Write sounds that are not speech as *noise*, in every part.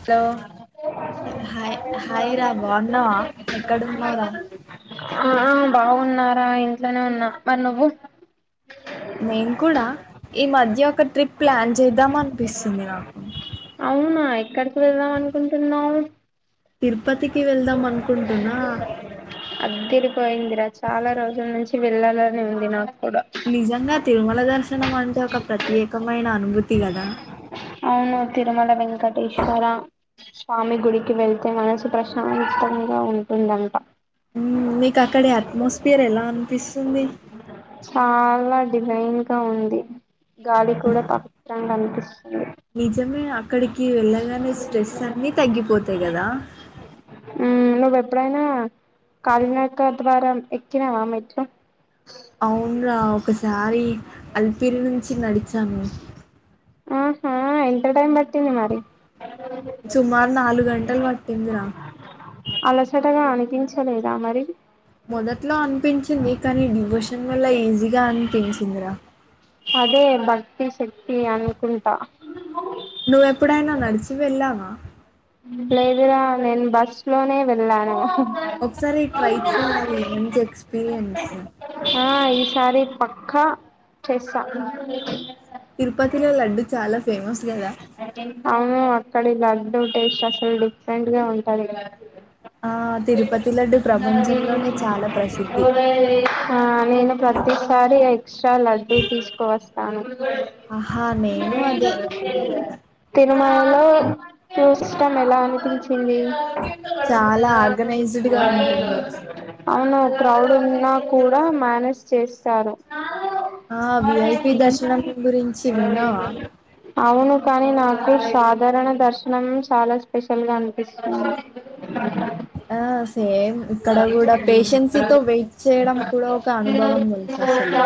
Hello hi హాయి్రా బాగున్నావా ఎక్కడున్నావ్ రా ఆ బాగున్నారా ఇంట్లోనే ఉన్నా మరి నువ్వు నేను కూడా ఈ మధ్య ఒక ట్రిప్ ప్లాన్ చేద్దాం అనిపిసుంధీ నాకు ఏక్కడికి వెళ్దాం అనుకుంటున్నావ్ తిరుపతికి వెళ్దాం అనుకుంటున్నా పోయిందిరా చాలా రోజుల నుంచి వెళ్ళాలని ఉంది నాకు కూడా నిజంగా తిరుమల దర్శనం అంట్ టె ఒక ప్రత్యేకమైన అను కదా. అవును తిరుమల వెంకటేశ్వర స్వామి గుడికి వెళ్తే మనసు ప్రశాంతంగా ఉంటుందంట. మీకు అక్కడ అట్మాస్ఫియర్ ఎలా అనిపిస్తుంది. చాలా డిజైన్ గా ఉంది. గాలి కూడా పా. అనిపిస్తుంది. నిజమే అక్కడికి వెళ్ళగానే స్ట్రెస్ అన్ని తగ్గిపోతాయి కదా. ఉమ్ నువ్ ఎప్పుడైనా కాలినడక ద్వారమ్ ఎక్కినావా మెట్లు. అవ్ ఇమ్లా ఒకసారి. అల్పిరి నుంచి నడిచాను. నేన్ ఆహా ఎంత టైమ్ పట్టింది మరి. సుమారు నాలుగు గంటలు పట్టిందిరా. అలసటగా అనిపించలేదా మరి. మొదట్లో అనిపించింది కానీ డివోషన్ వల్ల ఈజీగా అనిపించిందిరా. అదే భక్తి శక్తి అనుకుంటా. నువ్వెప్పుడైనా నడిచి వెళ్ళావా. లేదురా నేను బస్ లోనే వెళ్ళాను. ఒకసారి ట్రై చేయాలి మంచి ఎక్స్పీరియన్స్. ఆ ఈసారి పక్కా చేస్తా. ద. అవును అక్కడి లడ్డు టేస్ట్ అసలు డిఫరెంట్ గా ఉంటది. ఆ తిరుపతి లడ్డు ప్రపంచంలోనే చాలా ప్రసిద్ధి ఆ నేను ప్రతిసారి ఎక్స్ట్రా లడ్డూ తీసుకోవస్తా. అవును. ఆహా నేను అదే. తిరుమలలో తిష్టం ఎలా అనిపించింది. చాలా ఆర్గనైజ్డ్గా ఉంటుంది అవును. క్రౌడ్ ఉన్నా కూడా మేనేజ్ చేస్తారు. ఆ విఐపి దర్శనం గురించి విన్నావా. అవును కానీ నాకు సాధారణ దర్శనం చాలా స్పెషల్ గా అనిపిస్తుంది. ఆ. సేమ్ ఇక్కడ కూడా పేషెన్సీతో వెయిట్ చేయడం కూడా ఒక అనుభవం తెల్సా అసలు.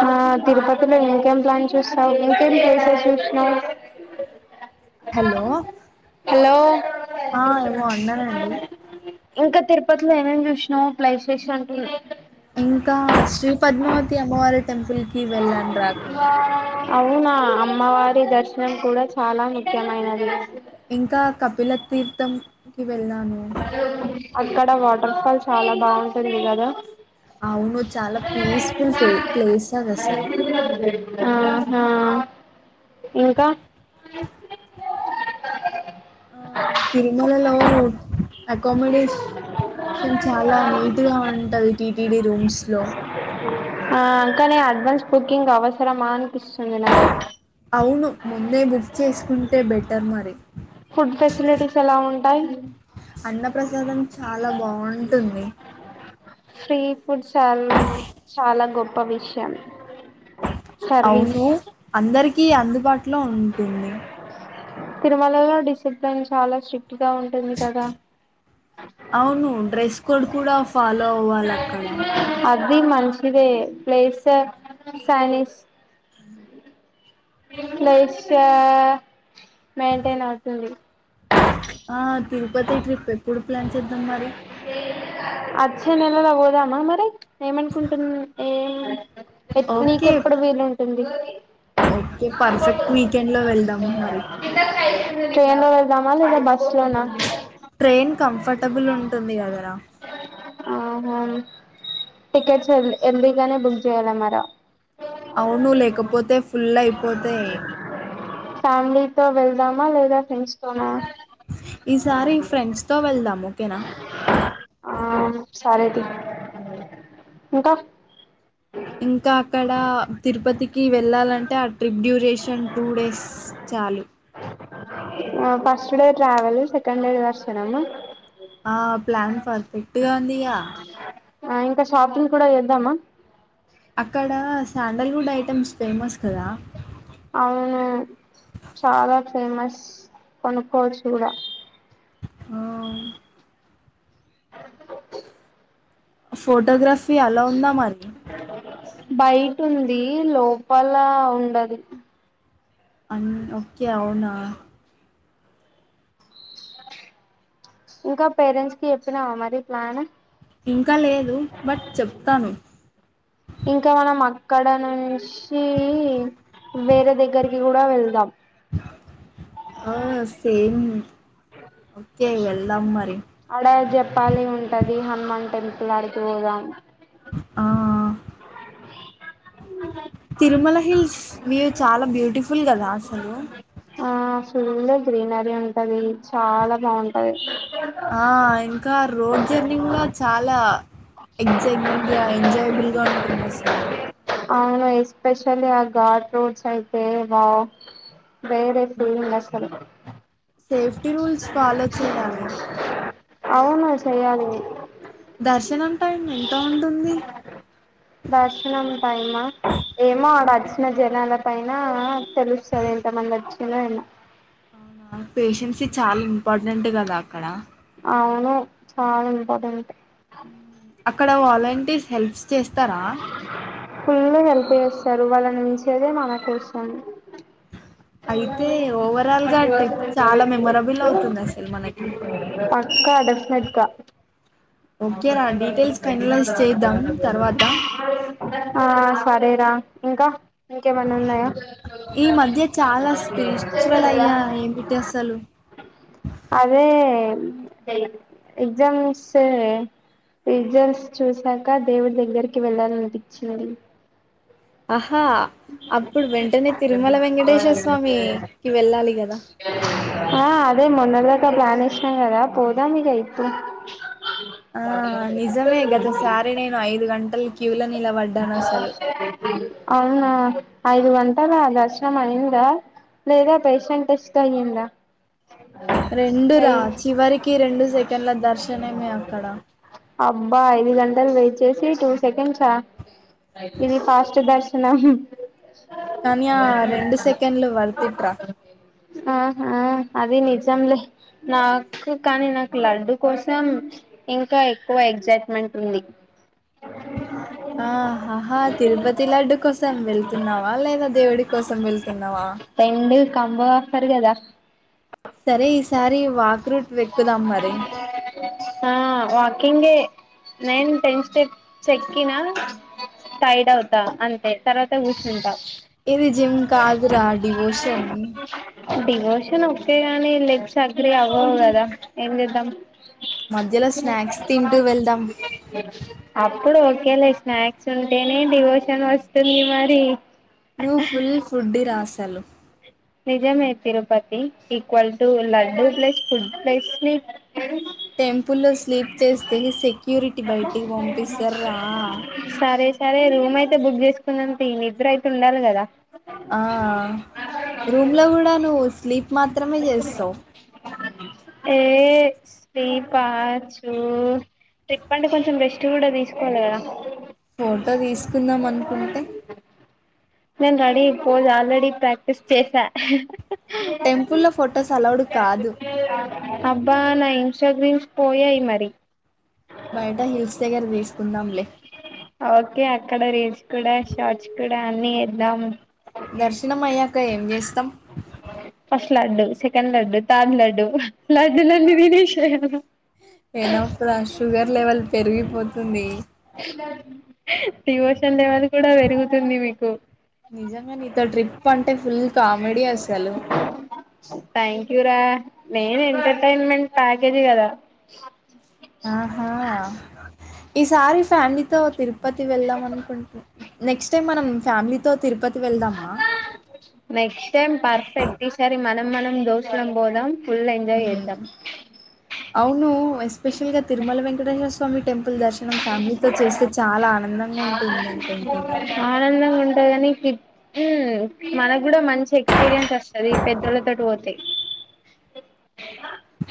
ఇలో ఇంకేం ప్లాన్ చూస్తావు ఇంకేం ప్లేసెస్ చూసావు. Hello hello. ఆ ఏమో అన్నానండి ఇంకా తిరుపతిలో ఏమేమి శ్నావ్ ప్లేసెస్ అంటున్న. ఇంకా శ్రీ పద్మావతి అమ్మవారి టెంపుల్ కి వెళ్ళాను రా అక్కడ. అవునా అమ్మవారి దర్శనం కూడా చాలా ముఖ్యమైనది ఇంకా కపిల తీీర్థం అక్కడ వాడు పకాాలు చాలా బాగుంటది కదా అవును చాలా పీస్ఫుల్ ప్లేస్ా అదసలు ఆ ఇంకా ఆ తిరుమలలో అకామిడేషన్షన్ చాలా నీట్గా ఉంటుంది టీటిడి రూమ్స్ లో ఆ అంకానే అడ్వాన్స్ బుకింగ్ అవసరమా అనిపిస్తుంది నా అవును ముందే బుక్ చేసుకుంటే బెటర్ మరి ఫుడ్ ఫెసిలిటీస్ ఎలా ఉంటాయి అన్న ప్రసాదం చాలా బాగుంటుంది ఫ్రీ ఫుడ్ చాల చాలా గొప్ప విషయం సర్వీస్ అవును అందరికి కి అందుబాటులో ఉంటుంది తిరుమలలో డిసిప్లిన్ చాలా స్ట్రిక్ట్ గా ఉంటుంది కదా అవును డ్రెస్ కోడ్ కూడా ఫాలో అవ్వాలి అక్కడ ఇది మంచిదే ప్లేస్ సైనిస్ లైఫ్ మెయింటైన్ అవుతది ఆ తిరుపతి ట్రిప్ ఇప్పుడు ప్లాన్ చేద్దాం మరి వచ్చే నెలలో పోదామ్మా మరి ఏమనుకుంటున్ ఏ ఎప్ ఓకే నీకెప్పుడు వీలు టుంది ఓకే పర్ఫెక్ట్ వీకెండ్ లో వెళ్దాము మరి ట్రైన్లో వెళ్దామా లేదంటే బస్ లోనా ట్రైన్ కంఫర్టబుల్ ఉంటుంది దగరా ఆహా టికెట్స్ ఏర్ ఎర్లీగానే బుక్ చేయాల మర అవును లేకపోతే ఫులై పోతాయ్ ఫ్యామిలీతో వెళ్దామా లేదా ఫ్రెండ్స్ తోనా ఈసారి ఫ్రెండ్స్ తో వెళ్దాం ఓకేనా ఆ సరేతి ఇంకా ఇంకా అక్కడ తిరుపతికి వెళ్ళాలంటే ట్రిప్ డ్యూరేషన్ టూ డేస్ చాలు ఆ first day travel second day దర్శనం ఆ ప్లాన్ పర్ఫెక్ట్ గా ఉందిగా ఆ ఇంకా షాపింగ్ కూడా వద్దామా అక్కడ శాండల్వుడ్ ఐటెమ్స్ ఫేమస్ కదా అవును చాలా ఫేమస్ కొనుక్కోవచ్చు కూడా అ అ ఫోటోగ్రఫీ అలో ఉందా మరి బయటుంది లోపల ఉండది అన్ ఓకే అవునా ఇంకా పేరెంట్స్ కి చెప్పినావా మరి ప్లాన్ ఇంకా లేదు బట్ చెప్తాను ఇంకా మనం అక్కడ నుంచి వేరే దగ్గరికి కూడా వెళ్దాం ఆ సేమ్ ఓకే వెళ్ళా మరి అడ జెపాలి ఉంటది హనుమాన్ టెంపుల్ ఆడికి పోదాం ఆ ఆ తిరుమల హిల్స్ వ్యూ చాలా బ్యూటిఫుల్ కదా అసలు చూ లో గ్రీనరీ ఉంటది. చాలా బాగుంట ఆ ఇంకా రోడ్ జర్నీ కూడా చాలా ఎక్సయిట్మెంట్ గా ఎంజాయబుల్గా ఉన్ పిన్న సలో అవునా ఎస్పెషలీ ఆ ఘాట్ రూట్స్ అయితే వావ్ వేరే ఫీలింగ్ అసల్ సేఫ్టీ రూల్స్ ఫాలో చేయాలి. అవును చేయాలి దర్శనం టైం ఎంత ఉంటుంది దర్శనం టైమ్మా ఏమో ఆడ వచ్చిన జనాలక్ పైన తెలుస్తది ఎంత మంది వచ్చిందో అన్న అవునా పేషెన్సీ చాలా ఇంపార్టెంట్ కదా అక్కడ అవును చాల ఇంపార్టెంటే హు ఉ అక్కడ వాలంటీర్స్ హెల్ప్స్ చేస్తారా ఫుల్లో హెల్ప్ చేస్తారు. వాళ్ళ నుంచేదే మన కోసం అయితే ఓవరాల్ గా ట్రిప్ చాలా మెమొరబుల్ అవుతుంది అసలు మనకి పక్కా డెఫనెట్ గా ఓకే రా డీటెయిల్స్ ఫైనలైజ్ చేద్దాం తర్వాత ఆ సరేరా ఇంకా ఇంకేమన్నా ఉన్నాయా ఈ మధ్య చాలా స్పిరిచువల్ అయ్యా ఏమిటి అసలు అదే ఎగ్జామ్స్ రిజల్ట్స్ చూసాక దేవుడి దగ్గరికి వెళ్ళాలనిపించింది. ఆ ఆ అప్పుడు వెంటనే తిరుమల వెంకటేశ్వర స్వామికి వెళ్ళాలి కదా ఆ అదే మొన్న దాకా ప్లాన్ ఏసినాం కదా పోదాం మీక యిపుడు ఆ నిజమే గత సారి నేను ఐదు గంటల్ క్ అవున ఐదు వంటల దర్శనం అయిందా లేదా పేషెంట్ టెస్ట్ అయ్యిందా రెండురా చివరికి రెండు సెకండ్ల దర్శనమే అక్కడ అబ్బా ఐదు గంటలు వెయిట్ చేసి టూ సెకండ్సా ఇది ఫాస్ట్ దర్శనం కాని ఆ రెండు సెకండ్లు వర్తిట్ రా ఆహా అది నిజంలే నాకు కానీ నాకు లడ్డు కోసం ఇంకా ఎక్కువ ఎగ్జైట్మెంట్ ఉంది ఆహా తిరుపతి లడ్డు కోసం వెళ్తున్నావా లేదా దేవుడి కోసం వెళ్తున్నావా అమ్మ వస్తది కదా సరే ఈసారి వాక్ క్రూట్ వెక్కుదాం మరి ఆ వాకింగే నేను టెన్ స్టెప్ ఎక్కినా టైర్డ్ అవుతా అంతే తర్వాత కూచుంటాం ఇది జిమ్ కాదురా డివోషన్ డివోషన్ ఒకేగాని లెగ్స్ అగడ అవ్వవు కదా ఏం చేద్దాం మధ్యలో స్నాక్స్ తింటూ వెళ్దాం అప్పుడు ఏం లే స్నాక్స్ ఉంటేనే డివోషన్ వస్తుంది మరి నువ్వు ఫుల్ ఫుడ్డి రా అసలు నిజమే Tirupati equal to laddu plus food plus ని టెంపుల్లో స్లీప్ చేస్తే సెక్యూరిటీ బయటికి పంపిస్తారు రా సరే సరే రూమ్ అయితే బుక్ చేసుకుందంత నిద్ర అయితే ఉండాలి కదా స ఇందులో కూడా నువ్వు స్లీప్ మాత్రమే చేస్తావు ఏ స్లీప చూ ట్రిప్ అంటే కొంచెం రెస్ట్ కూడా తీసుకోవాలి కదా ఫోటో తీసుకుందాం అనుకుంటే నేను రెడీ పోస్ ఆల్రెడీ ప్రాక్టీస్ చేసా *inaudible* టెంపుల్ లో ఫొటోస్ అలౌడ్ కాదు ఇన్స్టా రీల్స్ పోయాయి మరి బయట హిల్స్ దగ్గర తీసుకుందాంలే ఓకే అక్కడ రీల్స్ కూడా షార్ట్స్ కూడా అన్ని చేద్దాం దర్శనం అయ్యాక ఏం చేస్తాం ఫస్ట్ లడ్డు సెకండ్ లడ్డు థడ్ లడ్డు లడ్డు లన్ని తినేసేయాల తేడా వస్తది ఆ షుగర్ లెవెల్ పెరిగిపోతుంది డివోషల్ లేవాల కూడా పెరుగుతుంది మీకు కామెడి అస్సలు ఇవరా నేను ఎంటర్టైన్మెంట్ ప్యాకేజ్ కదా ఆహా ఈసారి ఫ్యామిలీతో తిరుపతి వెళ్దాం అనుకుంటు నెక్స్ట్ టైమ్ మనం ఫ్యామిలీతో తిరుపతి వెళ్దామా నెక్స్ట్ టం పర్ఫెక్ట్ ఈసారి మనం మనం దోచుకొని పోదాం ఫుల్ ఎంజాయ్ మ్మ్ చేద్దాం అవును ఎస్పెషల్గా తిరుమల వెంకటేశ స్వామి టెంపు ల దర్శనం ఫ్యామిలీతో చేస్తే చాలా ఆనందంగా ఉంటుంది అనుకుంటున్నాను కానీమ్మ్ మనకు కూడా మంచి ఎక్స్పీరియన్స్ వస్తుది పెద్దళ్లతోటి పోతే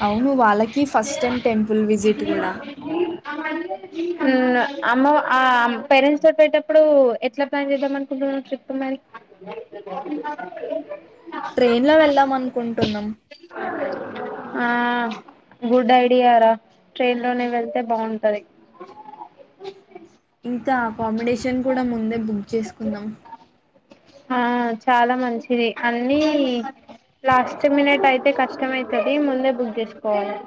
అవును వాళ్ళకి ఫస్ట్ టైం టెంపుల్ విజిట్ కూడా మ్మ్ అమ్మ ఆ పేరెంట్స్ తో పెటప్పుడు ఎట్లా ప్లాన్ చేద్దాం అనుకుంటున్నా ట్రిప్ మరి ట్రైన్ లో వెళ్దాం అనుకుంటున్నాం ఆ గుడ్ ఐడియారా ట్రైన్ లోనే వెళ్తే బాగుంటది *inaudible* ఇంకా అకామిడేషన్ కూడా ముందే బుక్ చేసుకుందాం ఆ చాలా మంచి ది అన్ని లాస్ట్ మినిట్ అయి తే కష్టం అయితది ముందే బుక్ చేసుకోవాలి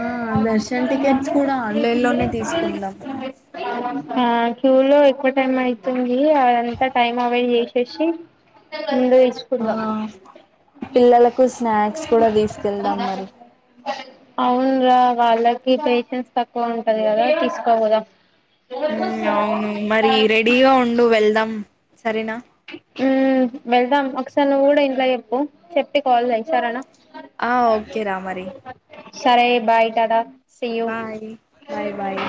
ఆ దర్శన్ టికెట్స్ కూడా అలల్లోనే తీసుకుందాం ఆ క్యూ లో ఎక్కువ టైం అయితుంది అదంతా టైం అవైడ్ చేసేసి ముందే ఆ తీసుకుందాం పిల్లలకు స్నాక్స్ కూడా తీసుకెళ్దాం మరి అవును రా వాళ్ళకి పేషెన్స్ తక్కువా ఉంటది కదా తీస్క పోదాం హ్మ్ అవును మరి రెడీగా ఉండు వెళ్దాం సరేనా హ్మ్ వెళ్దాం ఒకసారి నువ్వు గుడా ఇంట్లో చెప్పు చెప్పి కాల్ చెయ్ సరేనా ఆ ఓకె రా మరి సరే బాయ్ టాటా సీయూ మ్మ్ బాయ్ బాయ్